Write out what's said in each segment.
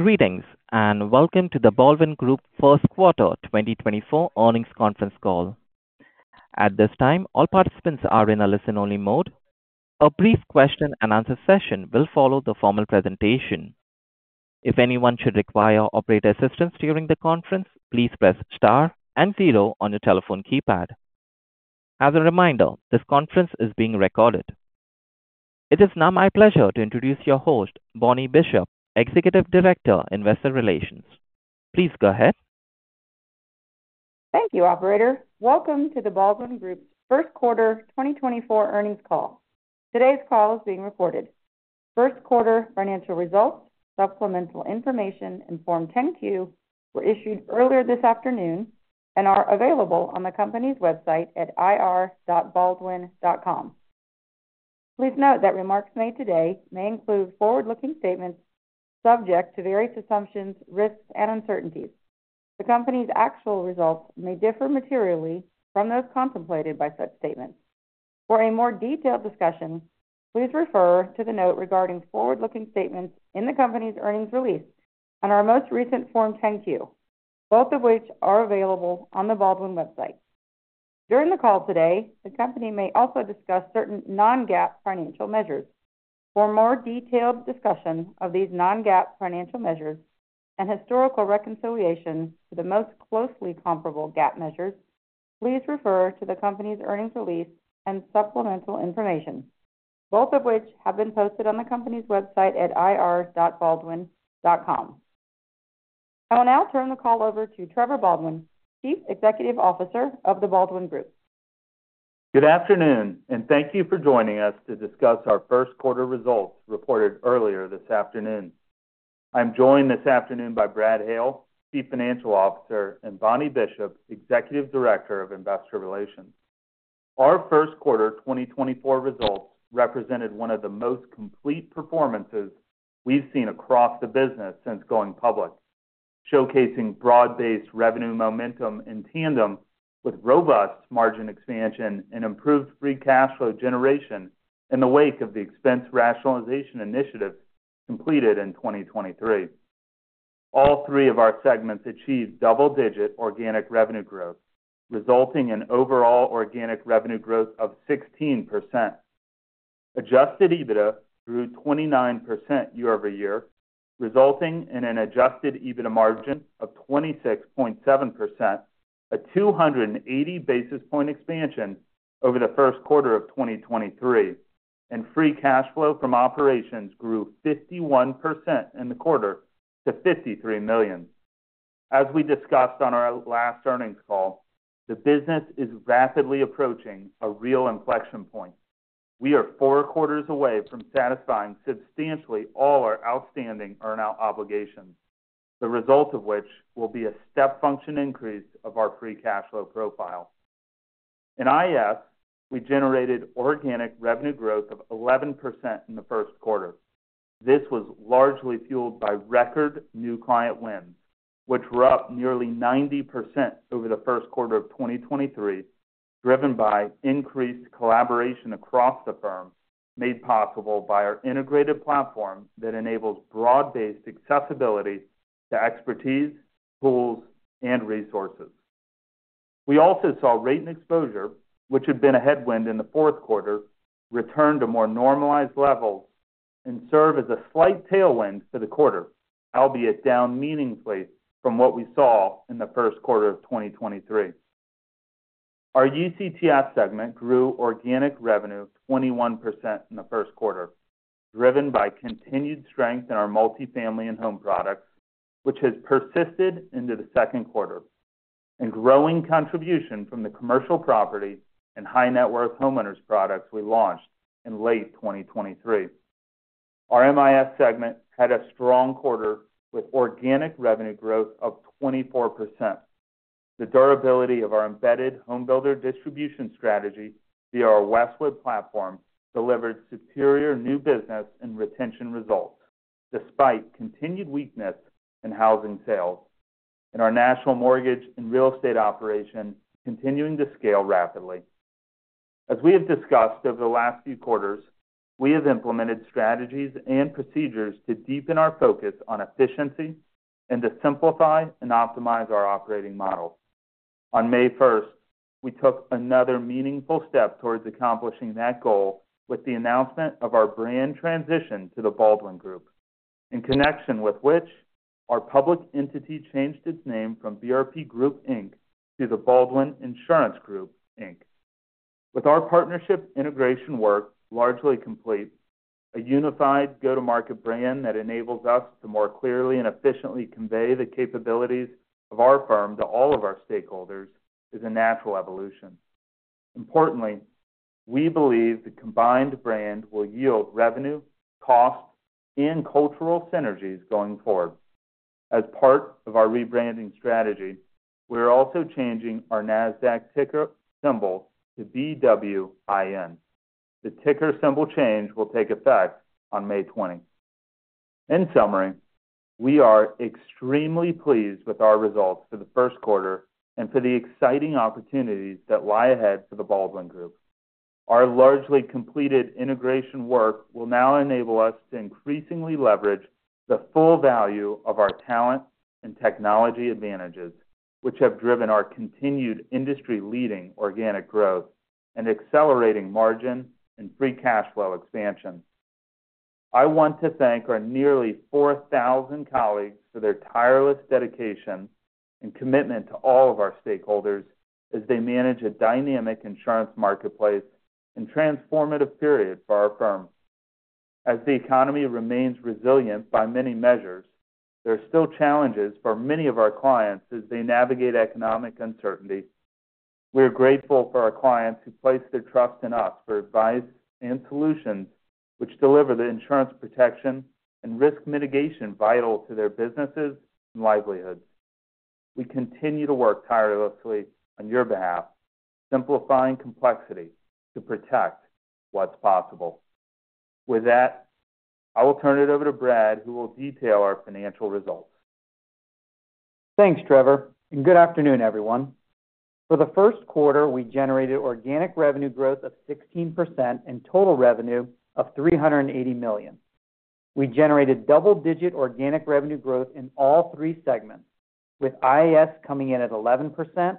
Greetings and welcome to The Baldwin Group first quarter 2024 earnings conference call. At this time, all participants are in a listen-only mode. A brief question-and-answer session will follow the formal presentation. If anyone should require operator assistance during the conference, please press star and zero on your telephone keypad. As a reminder, this conference is being recorded. It is now my pleasure to introduce your host, Bonnie Bishop, Executive Director, Investor Relations. Please go ahead. Thank you, Operator. Welcome to The Baldwin Group's first quarter 2024 earnings call. Today's call is being recorded. First quarter financial results, supplemental information, and Form 10-Q were issued earlier this afternoon and are available on the company's website at ir.baldwin.com. Please note that remarks made today may include forward-looking statements subject to various assumptions, risks, and uncertainties. The company's actual results may differ materially from those contemplated by such statements. For a more detailed discussion, please refer to the note regarding forward-looking statements in the company's earnings release and our most recent Form 10-Q, both of which are available on The Baldwin website. During the call today, the company may also discuss certain non-GAAP financial measures. For a more detailed discussion of these non-GAAP financial measures and historical reconciliation to the most closely comparable GAAP measures, please refer to the company's earnings release and supplemental information, both of which have been posted on the company's website at ir.baldwin.com. I will now turn the call over to Trevor Baldwin, Chief Executive Officer of The Baldwin Group. Good afternoon, and thank you for joining us to discuss our first quarter results reported earlier this afternoon. I'm joined this afternoon by Brad Hale, Chief Financial Officer, and Bonnie Bishop, Executive Director of Investor Relations. Our first quarter 2024 results represented one of the most complete performances we've seen across the business since going public, showcasing broad-based revenue momentum in tandem with robust margin expansion and improved free cash flow generation in the wake of the expense rationalization initiative completed in 2023. All three of our segments achieved double-digit organic revenue growth, resulting in overall organic revenue growth of 16%, adjusted EBITDA grew 29% year-over-year, resulting in an adjusted EBITDA margin of 26.7%, a 280 basis point expansion over the first quarter of 2023, and free cash flow from operations grew 51% in the quarter to $53 million. As we discussed on our last earnings call, the business is rapidly approaching a real inflection point. We are four quarters away from satisfying substantially all our outstanding earn-out obligations, the result of which will be a step-function increase of our free cash flow profile. In IAS, we generated organic revenue growth of 11% in the first quarter. This was largely fueled by record new client wins, which were up nearly 90% over the first quarter of 2023, driven by increased collaboration across the firm made possible by our integrated platform that enables broad-based accessibility to expertise, tools, and resources. We also saw rate and exposure, which had been a headwind in the fourth quarter, return to more normalized levels and serve as a slight tailwind for the quarter, albeit down meaningfully from what we saw in the first quarter of 2023. Our UCTS segment grew organic revenue 21% in the first quarter, driven by continued strength in our multifamily and home products, which has persisted into the second quarter, and growing contribution from the commercial property and high-net-worth homeowners products we launched in late 2023. Our MIS segment had a strong quarter with organic revenue growth of 24%. The durability of our embedded homebuilder distribution strategy via our Westwood platform delivered superior new business and retention results despite continued weakness in housing sales and our national mortgage and real estate operation continuing to scale rapidly. As we have discussed over the last few quarters, we have implemented strategies and procedures to deepen our focus on efficiency and to simplify and optimize our operating model. On May 1st, we took another meaningful step towards accomplishing that goal with the announcement of our brand transition to The Baldwin Group, in connection with which our public entity changed its name from BRP Group, Inc., to The Baldwin Insurance Group, Inc. With our partnership integration work largely complete, a unified go-to-market brand that enables us to more clearly and efficiently convey the capabilities of our firm to all of our stakeholders is a natural evolution. Importantly, we believe the combined brand will yield revenue, cost, and cultural synergies going forward. As part of our rebranding strategy, we are also changing our NASDAQ ticker symbol to BWIN. The ticker symbol change will take effect on May 20th. In summary, we are extremely pleased with our results for the first quarter and for the exciting opportunities that lie ahead for The Baldwin Group. Our largely completed integration work will now enable us to increasingly leverage the full value of our talent and technology advantages, which have driven our continued industry-leading organic growth and accelerating margin and free cash flow expansion. I want to thank our nearly 4,000 colleagues for their tireless dedication and commitment to all of our stakeholders as they manage a dynamic insurance marketplace and transformative period for our firm. As the economy remains resilient by many measures, there are still challenges for many of our clients as they navigate economic uncertainty. We are grateful for our clients who place their trust in us for advice and solutions which deliver the insurance protection and risk mitigation vital to their businesses and livelihoods. We continue to work tirelessly on your behalf, simplifying complexity to protect what's possible. With that, I will turn it over to Brad, who will detail our financial results. Thanks, Trevor, and good afternoon, everyone. For the first quarter, we generated organic revenue growth of 16% and total revenue of $380 million. We generated double-digit organic revenue growth in all three segments, with IAS coming in at 11%,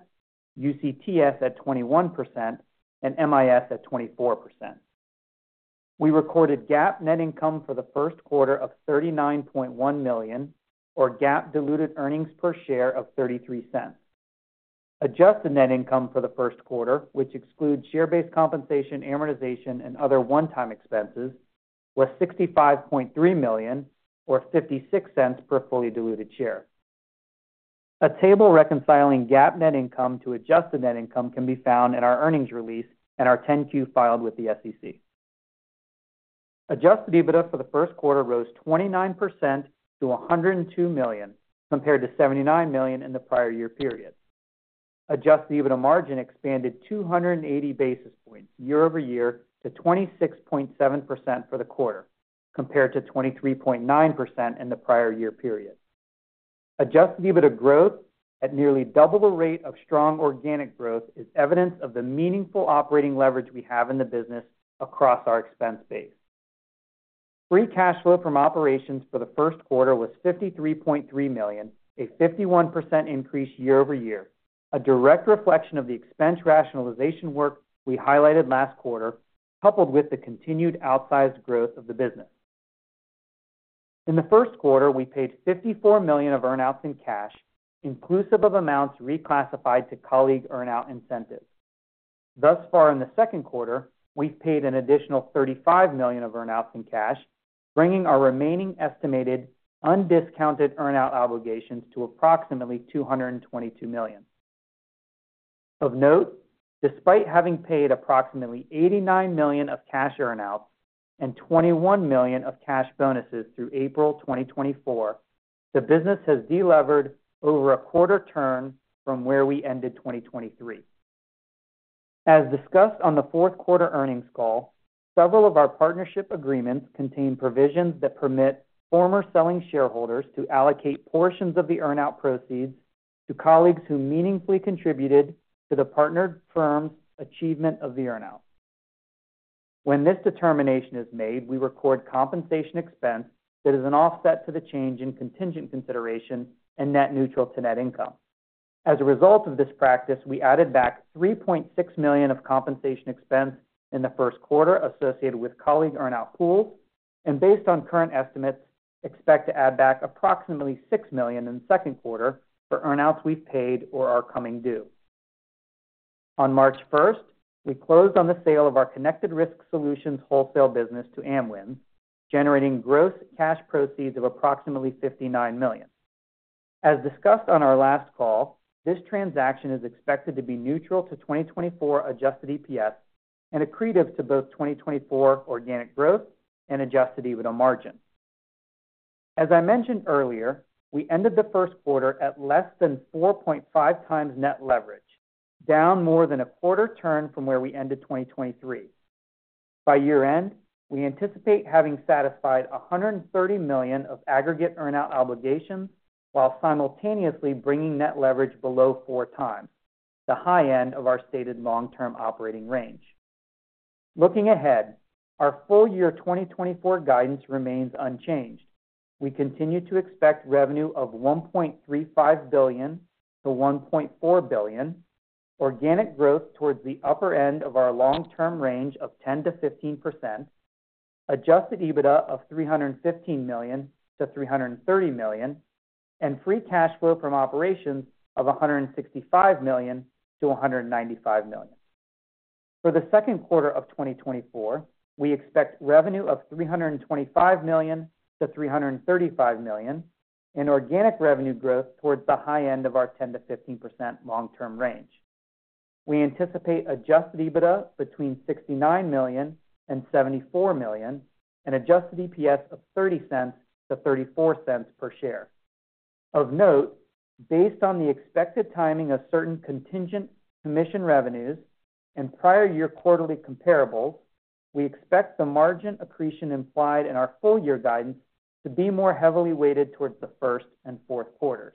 UCTS at 21%, and MIS at 24%. We recorded GAAP net income for the first quarter of $39.1 million, or GAAP diluted earnings per share of $0.33. Adjusted net income for the first quarter, which excludes share-based compensation, amortization, and other one-time expenses, was $65.3 million, or $0.56 per fully diluted share. A table reconciling GAAP net income to adjusted net income can be found in our earnings release and our 10-Q filed with the SEC. Adjusted EBITDA for the first quarter rose 29% to $102 million, compared to $79 million in the prior year period. Adjusted EBITDA margin expanded 280 basis points year-over-year to 26.7% for the quarter, compared to 23.9% in the prior year period. Adjusted EBITDA growth at nearly double the rate of strong organic growth is evidence of the meaningful operating leverage we have in the business across our expense base. Free cash flow from operations for the first quarter was $53.3 million, a 51% increase year-over-year, a direct reflection of the expense rationalization work we highlighted last quarter, coupled with the continued outsized growth of the business. In the first quarter, we paid $54 million of earn-outs in cash, inclusive of amounts reclassified to colleague earn-out incentives. Thus far, in the second quarter, we've paid an additional $35 million of earn-outs in cash, bringing our remaining estimated undiscounted earn-out obligations to approximately $222 million. Of note, despite having paid approximately $89 million of cash earn-outs and $21 million of cash bonuses through April 2024, the business has delevered over a quarter turn from where we ended 2023. As discussed on the fourth quarter earnings call, several of our partnership agreements contain provisions that permit former selling shareholders to allocate portions of the earn-out proceeds to colleagues who meaningfully contributed to the partnered firm's achievement of the earn-out. When this determination is made, we record compensation expense that is an offset to the change in contingent consideration and net neutral to net income. As a result of this practice, we added back $3.6 million of compensation expense in the first quarter associated with colleague earn-out pools, and based on current estimates, expect to add back approximately $6 million in the second quarter for earn-outs we've paid or are coming due. On March 1st, we closed on the sale of our Connected Risk Solutions wholesale business to Amwins, generating gross cash proceeds of approximately $59 million. As discussed on our last call, this transaction is expected to be neutral to 2024 adjusted EPS and accretive to both 2024 organic growth and adjusted EBITDA margin. As I mentioned earlier, we ended the first quarter at less than 4.5x net leverage, down more than a quarter turn from where we ended 2023. By year-end, we anticipate having satisfied $130 million of aggregate earn-out obligations while simultaneously bringing net leverage below 4x, the high end of our stated long-term operating range. Looking ahead, our full-year 2024 guidance remains unchanged. We continue to expect revenue of $1.35 billion-$1.4 billion, organic growth towards the upper end of our long-term range of 10%-15%, adjusted EBITDA of $315 million-$330 million, and free cash flow from operations of $165 million-$195 million. For the second quarter of 2024, we expect revenue of $325 million-$335 million and organic revenue growth towards the high end of our 10%-15% long-term range. We anticipate adjusted EBITDA between $69 million and $74 million and adjusted EPS of $0.30-$0.34 per share. Of note, based on the expected timing of certain contingent commission revenues and prior-year quarterly comparables, we expect the margin accretion implied in our full-year guidance to be more heavily weighted towards the first and fourth quarters.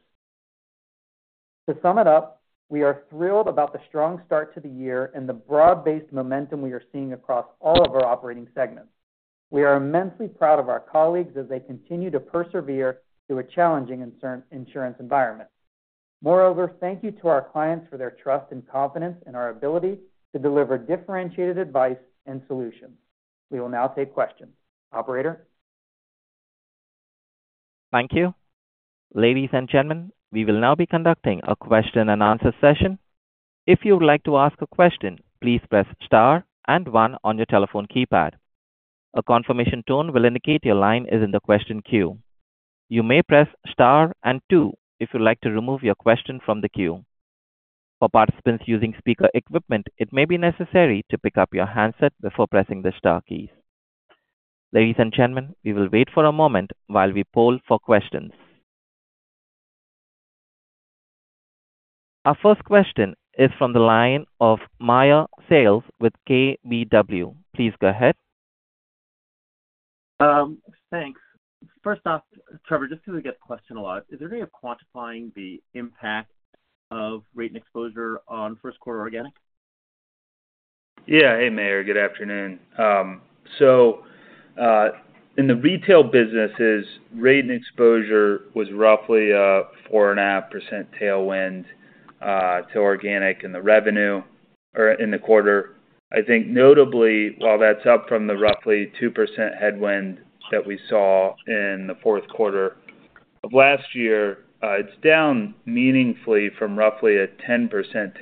To sum it up, we are thrilled about the strong start to the year and the broad-based momentum we are seeing across all of our operating segments. We are immensely proud of our colleagues as they continue to persevere through a challenging insurance environment. Moreover, thank you to our clients for their trust and confidence in our ability to deliver differentiated advice and solutions. We will now take questions. Operator? Thank you. Ladies and gentlemen, we will now be conducting a question-and-answer session. If you would like to ask a question, please press star and one on your telephone keypad. A confirmation tone will indicate your line is in the question queue. You may press star and two if you would like to remove your question from the queue. For participants using speaker equipment, it may be necessary to pick up your handset before pressing the star keys. Ladies and gentlemen, we will wait for a moment while we poll for questions. Our first question is from the line of Meyer Shields with KBW. Please go ahead. Thanks. First off, Trevor, just because we get the question a lot, is there any way of quantifying the impact of rate and exposure on first-quarter organic? Yeah. Hey, Meyer. Good afternoon. So in the retail businesses, rate and exposure was roughly a 4.5% tailwind to organic in the revenue or in the quarter. I think notably, while that's up from the roughly 2% headwind that we saw in the fourth quarter of last year, it's down meaningfully from roughly a 10%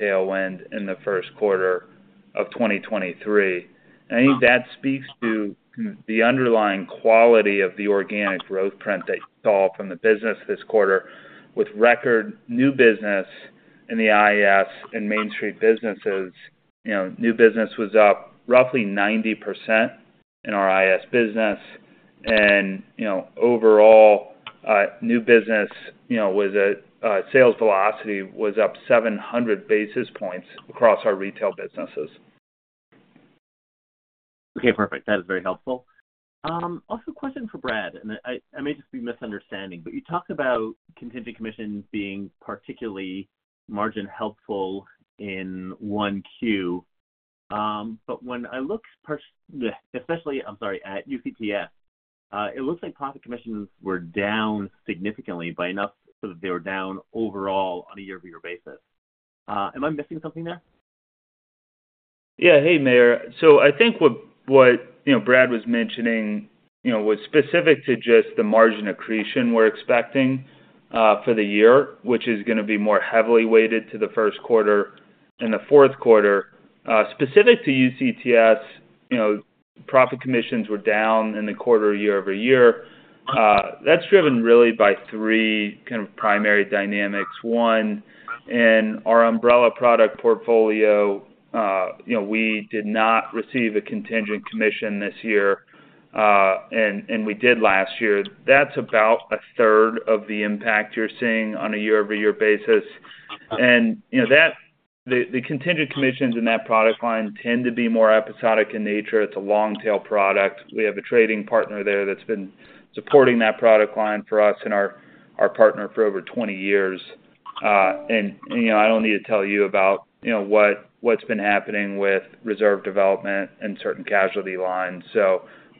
tailwind in the first quarter of 2023. And I think that speaks to the underlying quality of the organic growth print that you saw from the business this quarter. With record new business in the IAS and Mainstreet businesses, new business was up roughly 90% in our IAS business. And overall, new business sales velocity was up 700 basis points across our retail businesses. Okay. Perfect. That is very helpful. Also, a question for Brad. And I may just be misunderstanding, but you talked about contingent commission being particularly margin-helpful in 1Q. But when I look, especially I'm sorry, at UCTS, it looks like profit commissions were down significantly by enough so that they were down overall on a year-over-year basis. Am I missing something there? Yeah. Hey, Meyer. So I think what Brad was mentioning was specific to just the margin accretion we're expecting for the year, which is going to be more heavily weighted to the first quarter and the fourth quarter. Specific to UCTS, profit commissions were down in the quarter year-over-year. That's driven really by three kind of primary dynamics. One, in our umbrella product portfolio, we did not receive a contingent commission this year, and we did last year. That's about 1/3 of the impact you're seeing on a year-over-year basis. And the contingent commissions in that product line tend to be more episodic in nature. It's a long-tail product. We have a trading partner there that's been supporting that product line for us and our partner for over 20 years. I don't need to tell you about what's been happening with reserve development and certain casualty lines.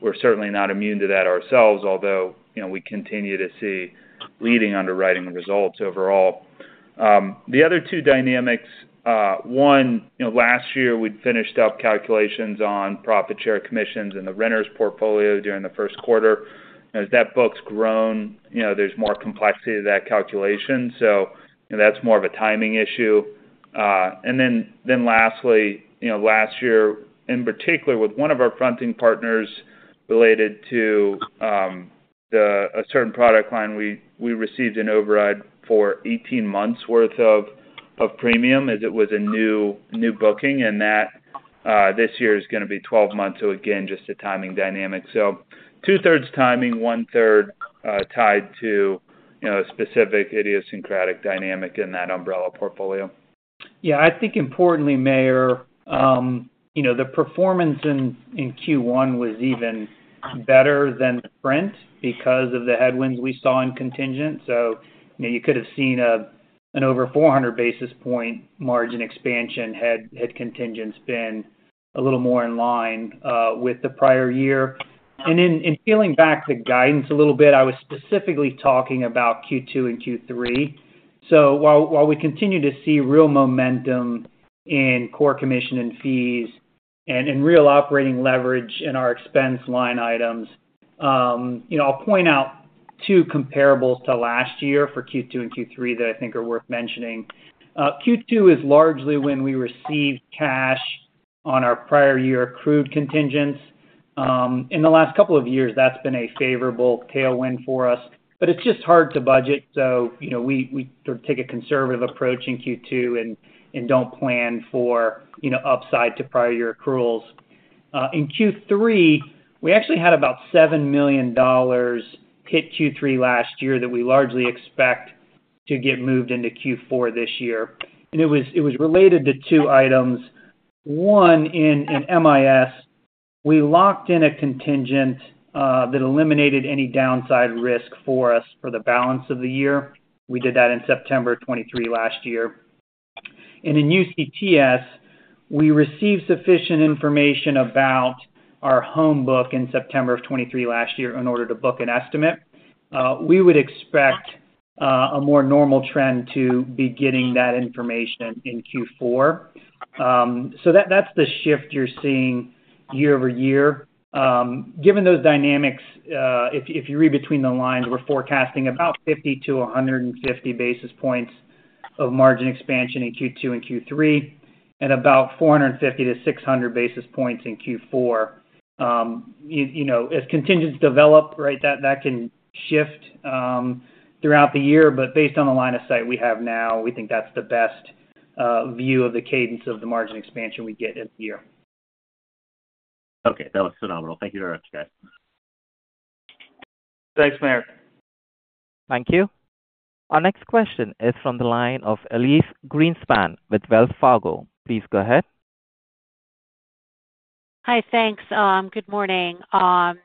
We're certainly not immune to that ourselves, although we continue to see leading underwriting results overall. The other two dynamics, one, last year, we'd finished up calculations on profit share commissions in the renters' portfolio during the first quarter. As that book's grown, there's more complexity to that calculation. That's more of a timing issue. Then lastly, last year, in particular, with one of our fronting partners related to a certain product line, we received an override for 18 months' worth of premium as it was a new booking. This year is going to be 12 months. Again, just a timing dynamic. 2/3 timing, 1/3 tied to a specific idiosyncratic dynamic in that umbrella portfolio. Yeah. I think, importantly, Meyer, the performance in Q1 was even better than the print because of the headwinds we saw in contingent. So you could have seen an over 400 basis point margin expansion had contingents been a little more in line with the prior year. And in peeling back the guidance a little bit, I was specifically talking about Q2 and Q3. So while we continue to see real momentum in core commission and fees and real operating leverage in our expense line items, I'll point out two comparables to last year for Q2 and Q3 that I think are worth mentioning. Q2 is largely when we received cash on our prior-year accrued contingents. In the last couple of years, that's been a favorable tailwind for us. But it's just hard to budget. So we sort of take a conservative approach in Q2 and don't plan for upside to prior-year accruals. In Q3, we actually had about $7 million hit Q3 last year that we largely expect to get moved into Q4 this year. It was related to two items. One, in MIS, we locked in a contingent that eliminated any downside risk for us for the balance of the year. We did that in September of 2023 last year. In UCTS, we received sufficient information about our home book in September of 2023 last year in order to book an estimate. We would expect a more normal trend to be getting that information in Q4. So that's the shift you're seeing year-over-year. Given those dynamics, if you read between the lines, we're forecasting about 50 basis points-150 basis points of margin expansion in Q2 and Q3 and about 450 basis points-600 basis points in Q4. As contingents develop, right, that can shift throughout the year. But based on the line of sight we have now, we think that's the best view of the cadence of the margin expansion we get in the year. Okay. That was phenomenal. Thank you very much, guys. Thanks, Meyer. Thank you. Our next question is from the line of Elyse Greenspan with Wells Fargo. Please go ahead. Hi. Thanks. Good morning. I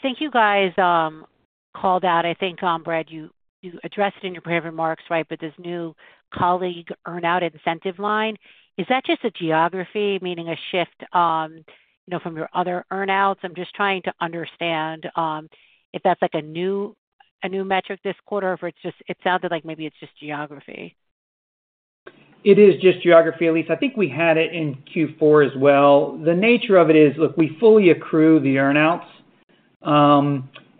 think you guys called out, I think, Brad, you addressed it in your preparatory remarks, right, but this new colleague earn-out incentive line. Is that just a geography, meaning a shift from your other earn-outs? I'm just trying to understand if that's a new metric this quarter or if it sounded like maybe it's just geography. It is just geography, Elyse. I think we had it in Q4 as well. The nature of it is, look, we fully accrue the earn-outs.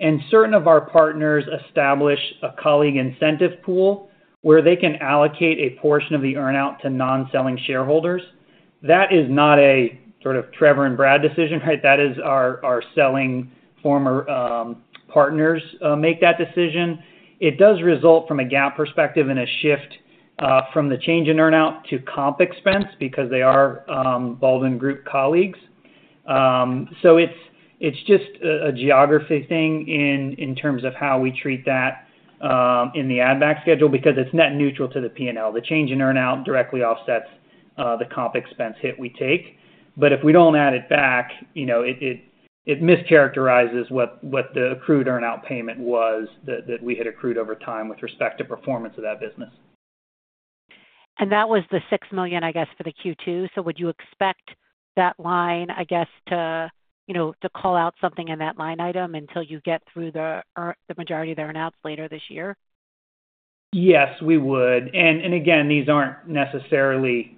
And certain of our partners establish a colleague incentive pool where they can allocate a portion of the earn-out to non-selling shareholders. That is not a sort of Trevor and Brad decision, right? That is our selling former partners make that decision. It does result from a GAAP perspective in a shift from the change in earn-out to comp expense because they are Baldwin Group colleagues. So it's just a geography thing in terms of how we treat that in the add-back schedule because it's net neutral to the P&L. The change in earn-out directly offsets the comp expense hit we take. But if we don't add it back, it mischaracterizes what the accrued earn-out payment was that we had accrued over time with respect to performance of that business. That was the $6 million, I guess, for the Q2. Would you expect that line, I guess, to call out something in that line item until you get through the majority of the earn-outs later this year? Yes, we would. And again, these aren't necessarily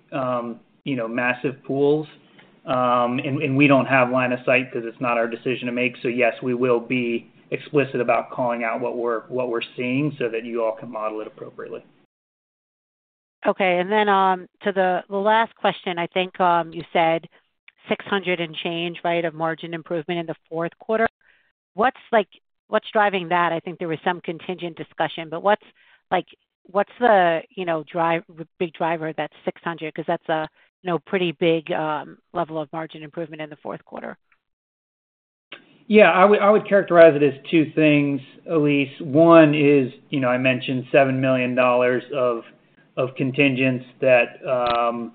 massive pools. And we don't have line of sight because it's not our decision to make. So yes, we will be explicit about calling out what we're seeing so that you all can model it appropriately. Okay. And then to the last question, I think you said 600 and change, right, of margin improvement in the fourth quarter. What's driving that? I think there was some contingent discussion. But what's the big driver that's 600? Because that's a pretty big level of margin improvement in the fourth quarter. Yeah. I would characterize it as two things, Elyse. One is I mentioned $7 million of contingents that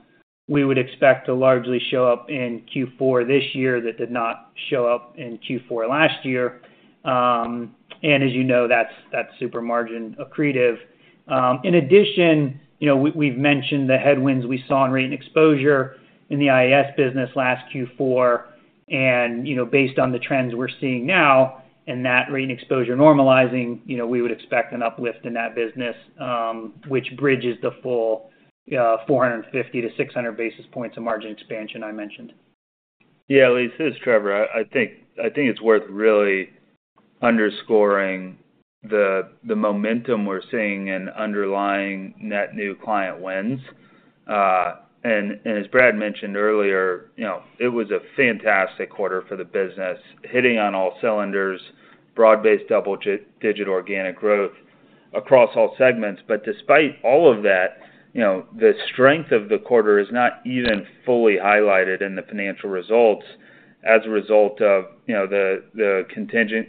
we would expect to largely show up in Q4 this year that did not show up in Q4 last year. And as you know, that's super margin accretive. In addition, we've mentioned the headwinds we saw in rate and exposure in the IAS business last Q4. And based on the trends we're seeing now and that rate and exposure normalizing, we would expect an uplift in that business, which bridges the full 450 basis points-600 basis points of margin expansion I mentioned. Yeah, Elyse. This is Trevor. I think it's worth really underscoring the momentum we're seeing in underlying net new client wins. As Brad mentioned earlier, it was a fantastic quarter for the business, hitting on all cylinders, broad-based double-digit organic growth across all segments. Despite all of that, the strength of the quarter is not even fully highlighted in the financial results as a result of the contingent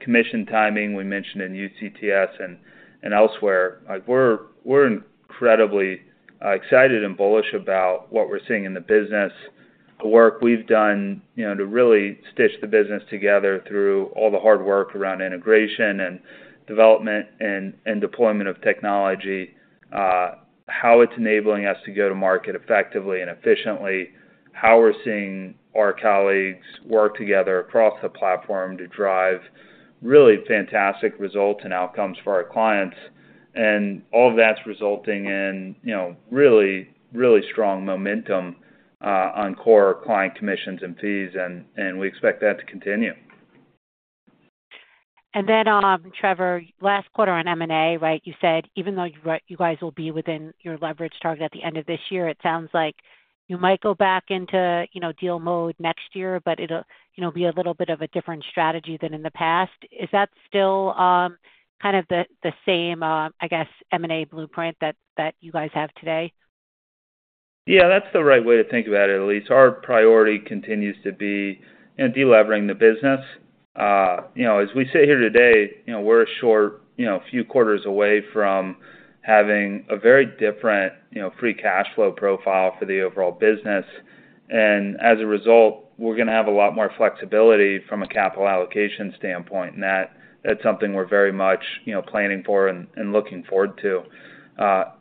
commission timing we mentioned in UCTS and elsewhere. We're incredibly excited and bullish about what we're seeing in the business, the work we've done to really stitch the business together through all the hard work around integration and development and deployment of technology, how it's enabling us to go to market effectively and efficiently, how we're seeing our colleagues work together across the platform to drive really fantastic results and outcomes for our clients. And all of that's resulting in really, really strong momentum on core client commissions and fees. And we expect that to continue. Then, Trevor, last quarter on M&A, right, you said even though you guys will be within your leverage target at the end of this year, it sounds like you might go back into deal mode next year, but it'll be a little bit of a different strategy than in the past. Is that still kind of the same, I guess, M&A blueprint that you guys have today? Yeah. That's the right way to think about it, Elyse. Our priority continues to be delevering the business. As we sit here today, we're a few quarters away from having a very different free cash flow profile for the overall business. And as a result, we're going to have a lot more flexibility from a capital allocation standpoint. And that's something we're very much planning for and looking forward to.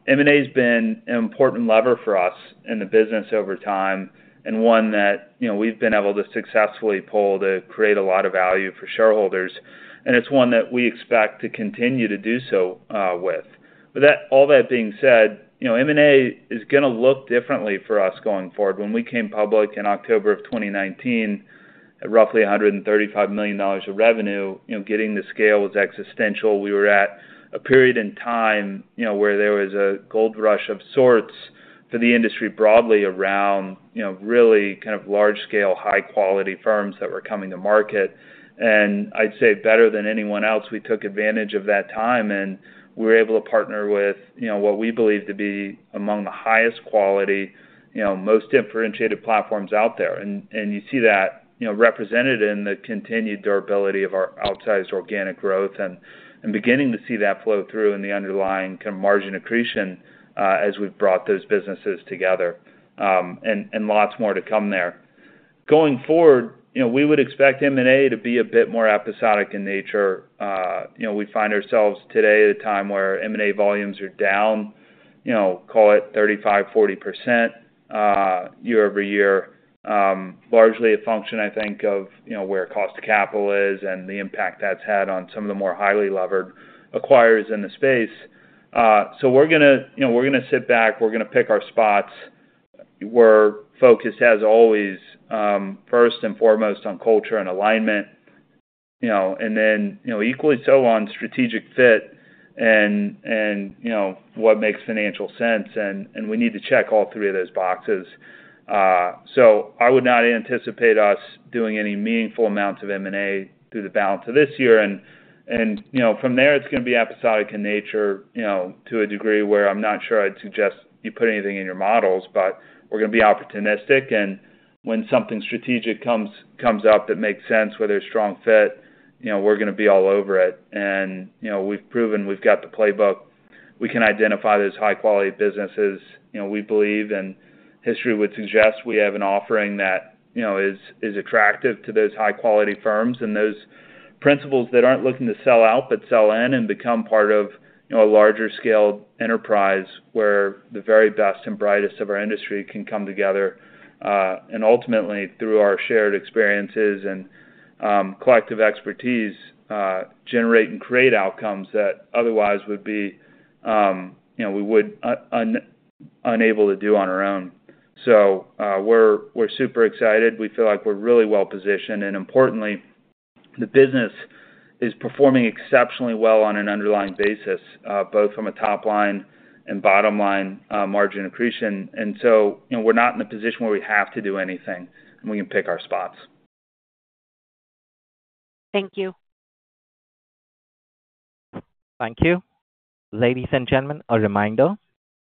M&A has been an important lever for us in the business over time and one that we've been able to successfully pull to create a lot of value for shareholders. And it's one that we expect to continue to do so with. But all that being said, M&A is going to look differently for us going forward. When we came public in October of 2019 at roughly $135 million of revenue, getting the scale was existential. We were at a period in time where there was a gold rush of sorts for the industry broadly around really kind of large-scale, high-quality firms that were coming to market. I'd say better than anyone else, we took advantage of that time. We were able to partner with what we believe to be among the highest quality, most differentiated platforms out there. You see that represented in the continued durability of our outsized organic growth and beginning to see that flow through in the underlying kind of margin accretion as we've brought those businesses together. Lots more to come there. Going forward, we would expect M&A to be a bit more episodic in nature. We find ourselves today at a time where M&A volumes are down, call it 35%-40% year-over-year, largely a function, I think, of where cost of capital is and the impact that's had on some of the more highly levered acquirers in the space. So we're going to sit back. We're going to pick our spots. We're focused, as always, first and foremost on culture and alignment and then equally so on strategic fit and what makes financial sense. And we need to check all three of those boxes. So I would not anticipate us doing any meaningful amounts of M&A through the balance of this year. And from there, it's going to be episodic in nature to a degree where I'm not sure I'd suggest you put anything in your models. But we're going to be opportunistic. When something strategic comes up that makes sense, where there's strong fit, we're going to be all over it. We've proven we've got the playbook. We can identify those high-quality businesses, we believe. History would suggest we have an offering that is attractive to those high-quality firms and those principals that aren't looking to sell out but sell in and become part of a larger-scaled enterprise where the very best and brightest of our industry can come together and ultimately, through our shared experiences and collective expertise, generate and create outcomes that otherwise we would be unable to do on our own. We're super excited. We feel like we're really well positioned. Importantly, the business is performing exceptionally well on an underlying basis, both from a top line and bottom line margin accretion. And so we're not in a position where we have to do anything. And we can pick our spots. Thank you. Thank you. Ladies and gentlemen, a reminder.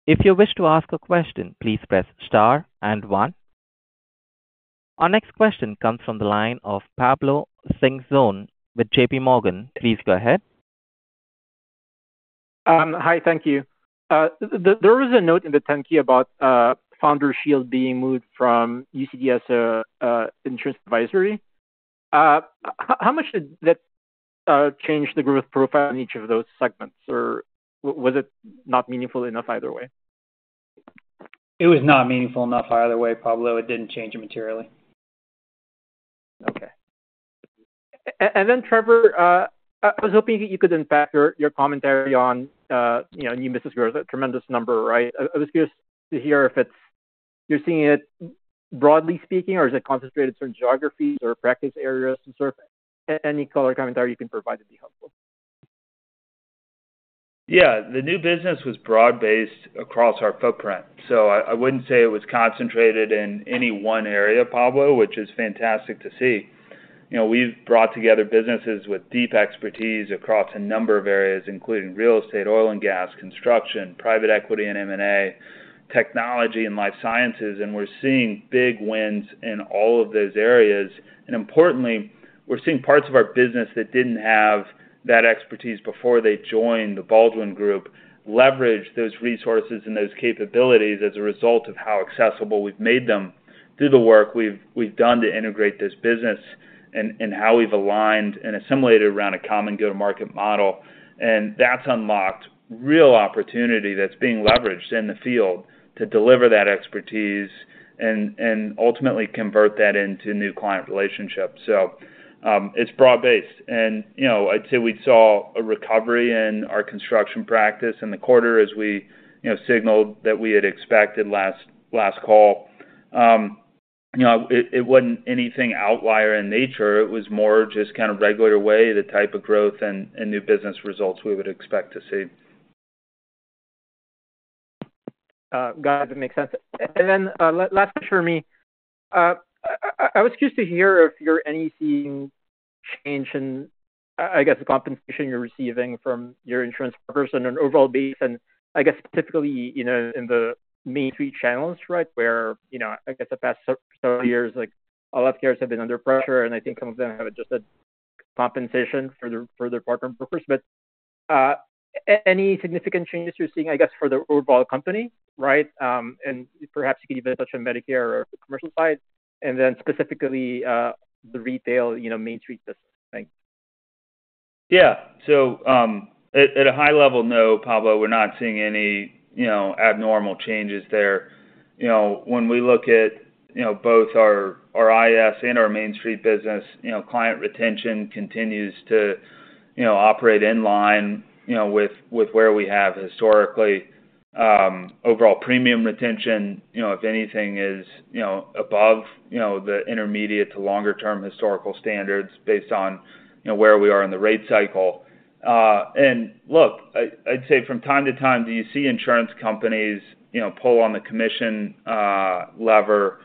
If you wish to ask a question, please press star and one. Our next question comes from the line of Pablo Singzon with JPMorgan. Please go ahead. Hi. Thank you. There was a note in the 10-K about FounderShield being moved from UCTS to Insurance Advisory. How much did that change the growth profile in each of those segments, or was it not meaningful enough either way? It was not meaningful enough either way, Pablo. It didn't change it materially. Okay. And then, Trevor, I was hoping you could unpack your commentary on new business growth, a tremendous number, right? I was curious to hear if you're seeing it broadly speaking, or is it concentrated in certain geographies or practice areas to survey? Any color commentary you can provide would be helpful. Yeah. The new business was broad-based across our footprint. So I wouldn't say it was concentrated in any one area, Pablo, which is fantastic to see. We've brought together businesses with deep expertise across a number of areas, including real estate, oil and gas, construction, private equity and M&A, technology, and life sciences. And we're seeing big wins in all of those areas. And importantly, we're seeing parts of our business that didn't have that expertise before they joined The Baldwin Group leverage those resources and those capabilities as a result of how accessible we've made them through the work we've done to integrate this business and how we've aligned and assimilated around a common go-to-market model. And that's unlocked real opportunity that's being leveraged in the field to deliver that expertise and ultimately convert that into new client relationships. So it's broad-based. I'd say we saw a recovery in our construction practice in the quarter as we signaled that we had expected last call. It wasn't anything outlier in nature. It was more just kind of regular way, the type of growth and new business results we would expect to see. Got it. That makes sense. Then last question for me. I was curious to hear if you're seeing any change in, I guess, the compensation you're receiving from your insurance partners on an overall basis, and I guess specifically in the main three channels, right, where, I guess, the past several years, all carriers have been under pressure. And I think some of them have adjusted compensation for their partner brokers. But any significant changes you're seeing, I guess, for the overall company, right, and perhaps you could even touch on Medicare or commercial side, and then specifically the retail Mainstreet business? Thanks. Yeah. So at a high level, no, Pablo. We're not seeing any abnormal changes there. When we look at both our IAS and our Mainstreet business, client retention continues to operate in line with where we have historically. Overall premium retention, if anything, is above the intermediate to longer-term historical standards based on where we are in the rate cycle. And look, I'd say from time to time, do you see insurance companies pull on the commission lever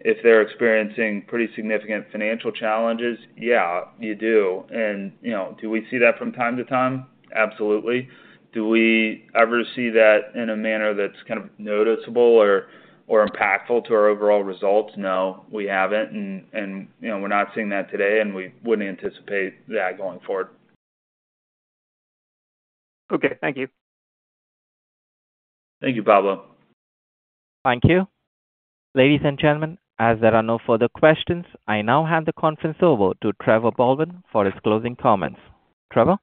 if they're experiencing pretty significant financial challenges? Yeah, you do. And do we see that from time to time? Absolutely. Do we ever see that in a manner that's kind of noticeable or impactful to our overall results? No, we haven't. And we're not seeing that today. And we wouldn't anticipate that going forward. Okay. Thank you. Thank you, Pablo. Thank you. Ladies and gentlemen, as there are no further questions, I now hand the conference over to Trevor Baldwin for his closing comments. Trevor?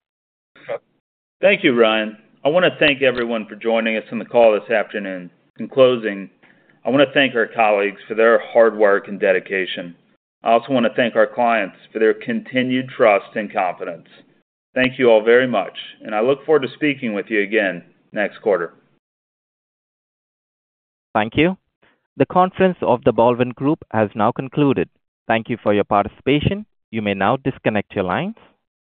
Thank you, Ryan. I want to thank everyone for joining us in the call this afternoon. In closing, I want to thank our colleagues for their hard work and dedication. I also want to thank our clients for their continued trust and confidence. Thank you all very much. I look forward to speaking with you again next quarter. Thank you. The conference call of The Baldwin Group has now concluded. Thank you for your participation. You may now disconnect your lines.